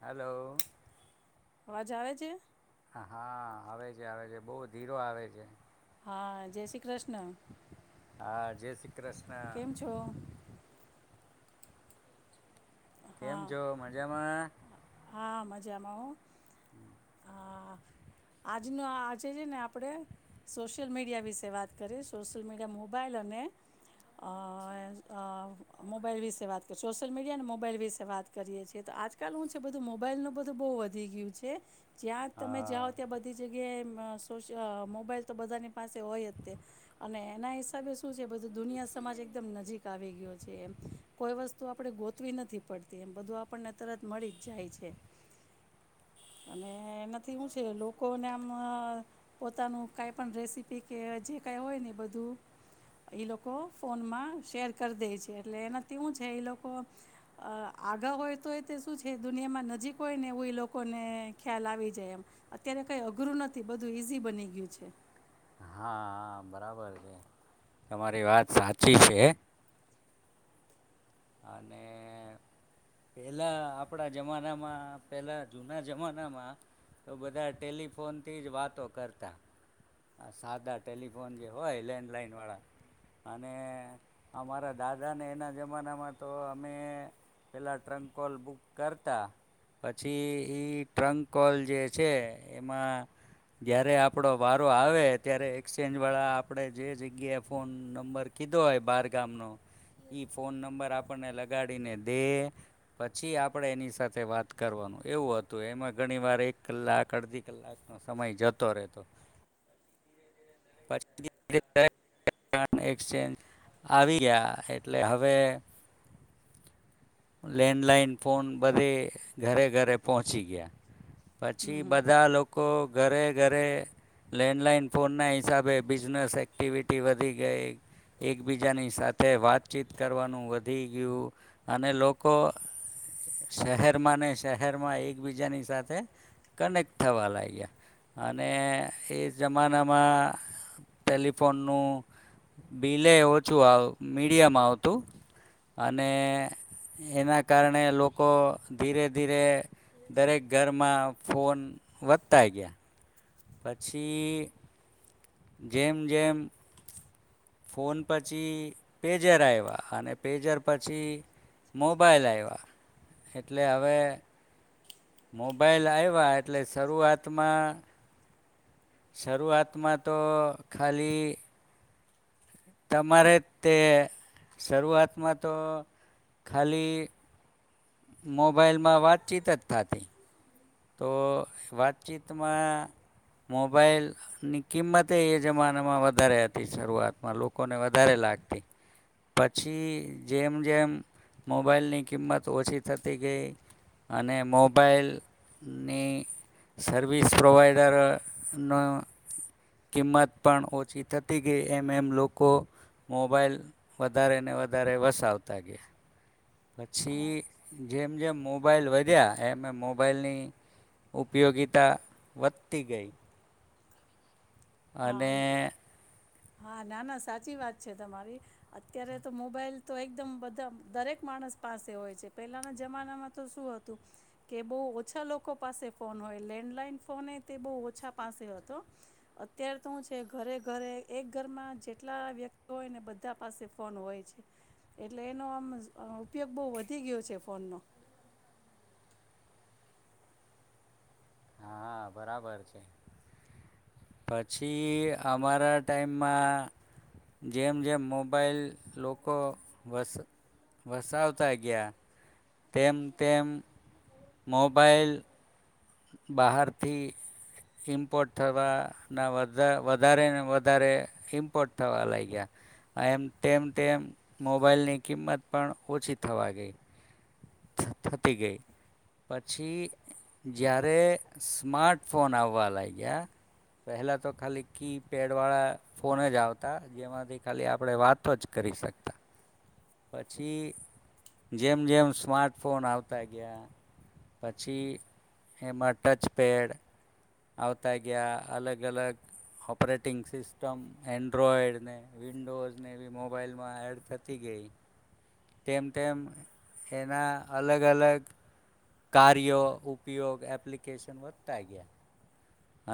હાલો. અવાજ આવે છે? હા, હા, આવે છે, આવે છે. બહું ધીરો આવે છે. હા, જય શ્રી કૃષ્ણ. હા, જય શ્રી કૃષ્ણ. કેમ છો કેમ હા છો મજામાં? જામાં હો. હા. આજનો આજે છે ને આપણે સોશિયલ મીડિયા વિશે વાત કરીએ. સોશિયલ મીડિયા મોબાઈલ અને અહ અહ મોબાઈલ વિશે વાત કરી. સોશિયલ મીડિયા અને મો બાઈલ વિશે વાત કરીએ છીએ. તો આજકાલ હું છે બધું મોબાઈલ નું બધું બહુ વધી ગયું છે. જ્યાં તમે હા જાઓ ત્યાં બધી જગ ગ્યાએ મ સો અહ મોબાઈલ તો બધાની પાસે હોય જ તે, અને એના હિસાબે શું છે દુનિયા સમાજ એકદમ નજીક આવી ગયો છે એમ. કોઈ વસ્તુ આપણે ગો તવી નથી પડતી એમ, બધું આપણને તરત મળી જ જાય છે. અને એનાથી હું છે લોકોને આમ અહ પોતાનું કાઈ પણ રેસીપી કે જે કાઈ હોય ને એ બધું એ લોકો ફોનમાં શેર કર દે છે, એટલે એનાથી હું છે ઈ લોકો અહ આઘા હોય તો એ તે શું છે દુનિયામાં નજીક હોય ને એવું એ લોકોને ખ્યાલ આવી જાય એમ, અત્યારે કંઈ અઘરું નથી બધું ઈઝી બની ગયું છે. બરેબર છે. તમારી વાત સાચી છે, અને પેલા આપણા જમાનામાં પેલા જુના જમાનામાં તો બધા ટેલિફોનથી જ વાતો કરતા, આ સાદા ટેલિફોન જે હોય લેન્ડલાઈનવાળા અને અમારા દાદાને એના જમાનામાં તો અમે પેલાં ટ્રંક કોલ બુક કરતા પછી ઈ ટ્રંક કોલ જે છે એમાં જ્યારે આપણો વારો આવે ત્યારે એક્સચેન્જવાળા આપણે જે જગ્યાએ ફોન નંબર કીધો હોય બાર ગામનો ઈ ફોન નંબર આપણને લગાડીને દે, પછી આપણે એની સાથે વાત કરવાનું એવું હતું એમાં ઘણી વાર એક કલાક અડધી કલાકનો સમય જતો રહેતો. પછી [unintelligible] એક્સચેન્જ આવી ગયા એટલે હવે. લેન્ડલાઈન ફોન બધે ઘરે-ઘરે પહોંચી ગયા. હમ પછી હમ બધા લો લોકો ઘરે-ઘરે લેન્ડલાઈન ફોનના હિસાબે બિઝનેસ એક્ટિવિટી વધી ગઈ, એકબીજાની સાથે વાતચીત કરવાનું વધી ગયું અને લોકો. લોકો શહેરમાં ને શહેરમાં એકબીજાની સાથે કનેક્ટ થવા લાગ્યા અને એ જમાનામાં ટેલિફોનનું બિલે ઓછું આવ મીડિયમ આવતું અને. એના કારણે લોકો ધીરે-ધીરે દરેક ઘરમાં ફોન વધતા ગયા. પછી. જેમ-જેમ. ફોન પછી પેજર આવ્યા અને પેજર પછી મોબાઈલ આવ્યા એટલે હવે. મોબાઈલ આવ્યા એટલે શરૂઆતમાં. શરૂઆતમાં તો ખાલી. તમારે તે શરૂઆતમાં તો ખાલી. મોબાઈલ માં વાતચીત જ થતી. તો વાતચીતમાં મોબાઈલની કિંમતે એ જમાનામાં વધારે હતી શરૂઆતમાં લોકોને વધારે લાગતી. પછી જેમ-જેમ મોબાઈલની કિંમત ઓછી થતી ગઈ અને મોબાઈલ. ની સર્વિસ પ્રોવાઈડરની કિંમત પણ ઓછી થતી ગઈ એમ-એમ લોકો મોબાઈલ વધારેને વધારે વસાવતા ગયા. પછી હા જેમ-જેમ મોબાઈલ વધ્યા એમ એ મોબાઈલની ઉપયોગીતા વધતી ગઈ. અને. હા હા ના ના સાચી વાત છે તમારી, અત્યારે તો મોબાઈલ તો એકદમ બધા દરેક માણસ. પાસે હોય છે. પહેલાના જમાનામાં તો શું હતું કે બહુ ઓછા લોકો પાસે ફોન હોય, લેન્ડલાઈન ફોન તે બહુ ઓછા પાસે હતો, અત્યારે તો હું છે ઘરે-ઘરે એક ઘરમાં જેટલા વ્યક્તિ હોયને બધા પાસે ફોન હોય છે, એટલે એનો આમ અહ ઉપયોગ બહુ વધી ગયો છે ફોનનો. હા, બરાબર છે, પછી અમારા ટાઈમમાં જેમ-જેમ મોબાઈલ લોકો વસ વસાવતા ગયા તેમ-તેમ મોબાઈલ બહારથી ઇમ્પોર્ટ થવાના વધા વધારેને વધારે ઈમ્પોર્ટ થવા લાયગા, એ તેમ તેમ મોબાઈલની કિંમત પણ ઓછી થવા ગઈ. થતી ગઈ, પછી જ્યારે સ્માર્ટ ફોન આવવા લાયગા, પહેલા તો ખાલી કી પેડ વાળા ફોન જ આવતા, જેમાંથી ખાલી આપણે વાતો જ કરી શકતા પછી જેમ-જેમ સ્માર્ટફોન આવતા ગયા, પછી એમાં ટચ પેડ આવતા ગયા, અલગ-અલગ ઓપરેટિંગ સિસ્ટમ એન્ડ્રોઈડને, વિન્ડોઝને એવી મોબાાઈલમાં એડ થતી ગઈ તેમ-તેમ એના અલગ અલગ કાર્યો, ઉપયોગ, એપ્લિકેશન વધતા ગયા.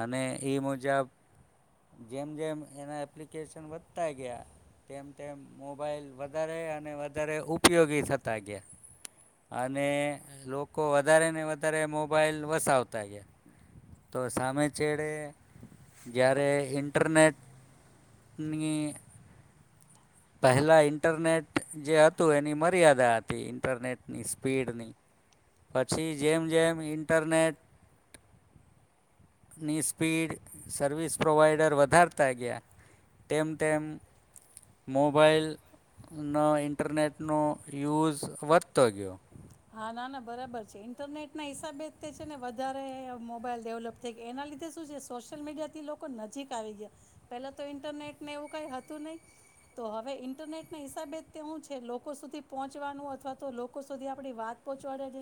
અને ઈ મુજબ જેમ-જેમ એના એપ્લિકેશન વધતા ગયા તેમ-તેમ મોબાઈલ વધારે અને વધારે ઉપયોગી થતા ગયા, અને લોકો વધારે ને વધારે મોબાઈલ વસાવતા ગયા, તો સામે છેડે જ્યારે ઇન્ટરનેટની પહેલાં ઇન્ટરનેટ જે હતું એની મર્યાદા હતી ઇન્ટરનેટની સ્પીડની, પછી જેમ જેમ ઇન્ટરનેટ ની સ્પીડ, સર્વિસ પ્રોવાઈડર વધારતા ગયા, તેમ-તેમ મોબાઈલનો, ઇન્ટરનેટનો યુઝ વધતો ગયો. હા ના-ના બરાબર છે. ઈન્ટરનેટ ના હિસાબે તે છે ને વધારે મોબાઈલ ડેવલપ થય ગયા એના લીધે શું છે સોશિયલ મીડિયા થી લોકો નજીક આવી ગયા, પેલા તો ઈન્ટરનેટ ને એવું કાઈ હતું નહી. તો હવે ઈન્ટરનેટ ના હિસાબે જ તે હું છે લોકો સુધી પહોંચવાનું અથવા તો લોકો સુધી આપણી વાત પહોંચાડે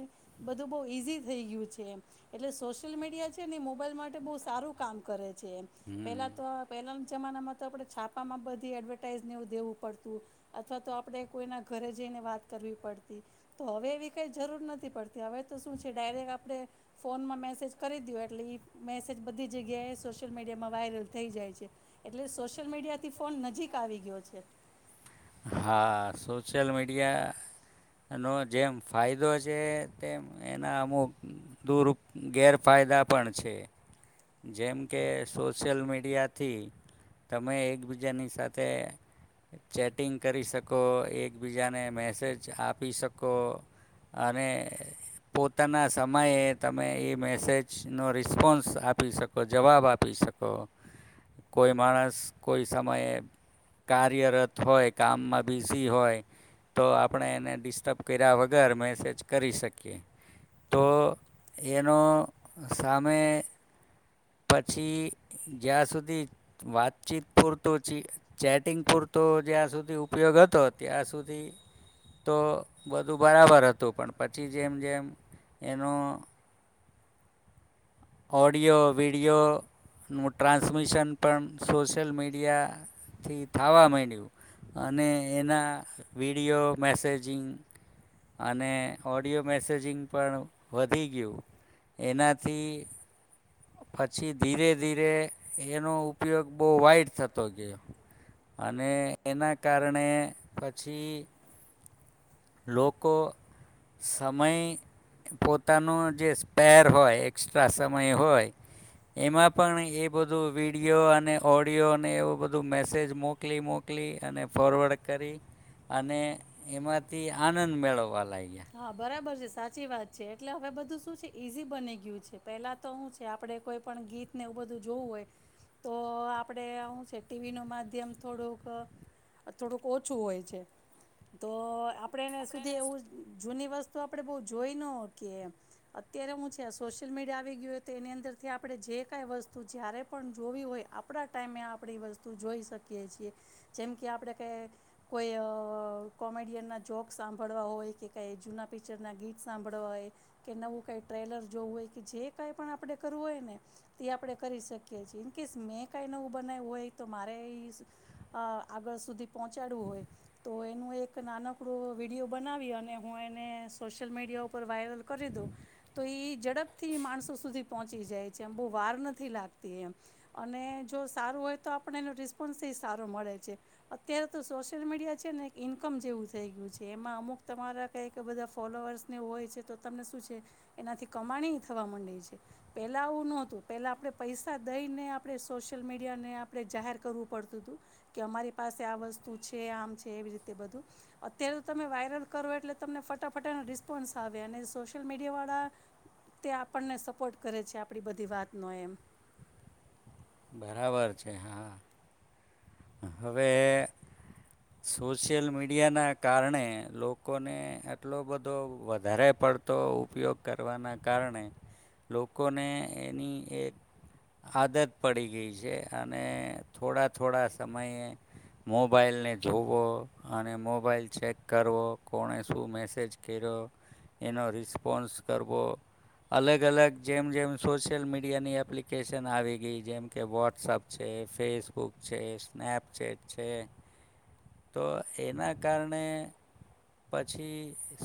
બધું બહુ ઈઝી થઈ ગયું છે એમ, એટલે સોશિયલ મીડિયા છે ને એ મોબાઈલ માટે બહુ સારું કામ કરે છે એમ. હમ્મ. પેલા તો આ પેનલ જમાનામાં તો આપણે છાપામાં બધી એડવર્ટાઈઝને એવું દેવું પડતું, અથવા તો આપડે કોઈના ઘરે જઈને વાત કરવી પડતી તો હવે એવી કાઈ જરૂર નથી પડતી હવે તો શું છે ડાયરેક્ટ આપણે ફોનમાં મેસેજ કરી દ્યો એટલે ઈ મેસેજ બધી જગ્યાએ સોશિયલ મીડિયામાં વાયરલ થઈ જાય છે. એટલે સોશિયલ મીડિયા થી ફોન નજીક આવી ગયો છે. હા સોશિયલ મીડિયા એનો જેમ ફાયદો છે તેમ એના અમુક દૂરઉપ ગેરફાયદા પણ છે, જેમ કે સોશિયલ મીડિયાથી તમે એકબીજાની સાથે ચેટ ટિંગ કરી શકો, એકબીજાને મેસેજ આપી શકો, અને પોતાના સમયે તમે એ મેસેજનો રિસ્પોન્સ આપી શકો, જવાબ આપી શકો, કોઈ માણસ કોઈ સમયે કાર્યરત હોય કામમાં બિઝી હોય તો આપણે એને ડિસ્ટર્બ કર્યા વગર મેસેજ કરી શકીએ. તો એનો સામે પછી જ્યાં સુધી વાતચીત પૂરતું ચી ચેટિંગ પૂરતો જ્યાં સુધી ઉપયોગ હતો ત્યાં સુધી તો બધું બરાબર હતું, પણ પછી જેમ જેમ એનો ઓડિયો, વિડિયો, મુ ટ્રાન્સમિશન પણ સોશિયલ મીડિયાથી થાવા માંડ્યું, અને એના વિડિયો, મેસેજિંગ અને ઓડિયો મેસેજિંગ પણ વધી ગયું, એનાથી પછી ધીરે ધીરે એનો ઉપયોગ બહુ વાઈટ થતો ગયો, અને એના કારણે પછી લોકો સમય પોતાનું જે સ્પેર હોય એક્સ્ટ્રા સમય હોય, એમાં પણ એ બધું વિડીયો અને ઓડિયો અને એવું બધું મેસેજ મોકલી મોકલી અને ફોરવર્ડ કરી, અને એમાં થી આનંદ મેળવાનુ. હા બરાબર છે. સાચી વાત છે, એટલે હવે બધું શું છે ઈઝી બની ગયું છે પહેલા તો હું છે આપણે કોઈ પણ ગીતને એવું બધું જોવું હોય, તો આપણે આવું છે ટીવી નું માધ્યમ થોડુંક થોડુંક ઓછું હોય છે, તો આપણેને સુધી એવું જૂની વસ્તુ આપણે બહુ જોઈ ન હકે એમ, અત્યારે હું છે સોશિયલ મીડિયા આવી ગયું હોય ત એની અંદરથી આપણે જે કઈ વસ્તુ જ્યારે પણ જોવી હોય આપણા ટાઈમે આપણે વસ્તુ જોઈ શકીએ છીએ, જેમ કે આપણે કઈ કોઈ અ કોમેડિયનના જોક સાંભળવા હોય કે કાંઈ જૂના પિક્ચરનાં ગીત સાંભળવા હોય, કે નવું કાંઈ ટ્રેલર જોવું હોય કે જે કઈ પણ આપણે કરવું હોય ને, તે આપણે કરી શકીએ છે કીસ મેં કાંઈ નવું બનાવવું હોય તો મારે આગળ સુધી પહોંચાડવું હોય તો એનું એક નાનકડો વિડીયો બનાવી અને અને હું એને સોશિયલ મીડિયા ઉપર વાયરલ કરી દઉં, તો એ ઝડપથી માણસો સુધી પહોંચી જાય છે એમ બહુ વાર નથી લાગતી એમ, અને જો સારું હોય તો આપણ એનો રિસ્પોન્સ એ સારો મળે છે, અત્યારે તો સોશિયલ મીડિયા છે ને એક ઇન્કમ જેવું થઈ ગયું છે. એમાં અમુક તમારા કઈક બધા ફોલોઅર્સને હોય છે તો તમને શું છે, એનાથી કમાણી થવા માંડે છે. પહેલા આવું ન હોતું પહેલા આપણે પૈસા દઈને આપણે સોશિયલ મીડિયાને આપણે જાહેર કરવું પડતું હતું, કે અમારી પાસે આ વસ્તુ છે આમ છે એવી રીતે બધું, અત્યારે તો તમે વાયરલ કરવું એટલે તમને ફટાફટ એનો રિસ્પોન્સ આવે અને સોશિયલ મીડિયા વાળા, તે આપને સપોર્ટ કરે છે આપડી બધી વાતને બરાબર છે હા. હવે સોશિયલ મીડિયાના કારણે લોકોને આટલૂ બધુ વધારે પડતો ઉપયોગ કરવાના કારણે, લોકોને એની એક આદત પડી ગઈ છે, અને થોડા થોડા સમયે, મોબાઈલને જોવો અને મોબાઈલ ચેક કરવો કોણે શું મેસેજ કર્યો એનો રિસ્પોન્સ કરવો, અલગ અલગ જેમ જેમ સોશિયલ મીડિયાની એપ્લિકેશન આવી ગઈ જેમ કે વોટ્સઅપ છે ફેસબુક છે સ્નેપચેટ છે, તો એના કારણે પછી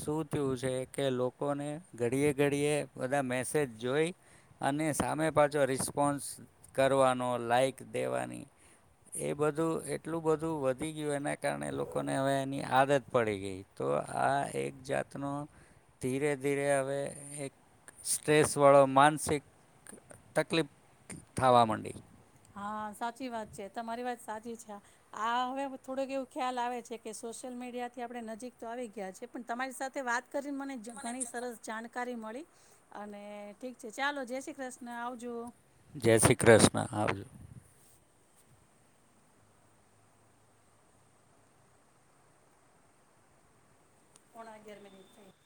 શું થયું છે કે લોકોને ઘડીએ ઘડીએ બધા મેસેજ જોઈ, અને સામે પાછો રિસ્પોન્સ કરવાનો લાઈક દેવાની, એ બધું એટલું બધું વધી ગયું એના કારણે લોકોને હવે એની આદત પડી ગઈ. તો આ એક જાતનો, ધીરે ધીરે હવે એક સ્ટ્રેસ વાળો માનસિક તકલીફ થવા માંડી. હા સાચી વાત છે તમારી વાત સાચી છે, આ હવે થોડુંક એવું ખ્યાલ આવે છે, કે સોશિયલ મીડિયાથી આપણે નજીક તો આવી ગયા છેએ પણ તમારી સાથે વાત કરી મને ઘણી સરસ જાણ કરી મળી, અને ઠીક છે ચાલો જય શ્રી કૃષ્ણ આવજો. જય શ્રી કૃષ્ણ આવજો. પોણા અગિયાર [unintelligible]